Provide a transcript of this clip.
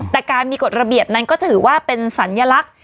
แต่การมีกฎระเบียบนั้นก็ถือว่าเป็นสัญลักษณ์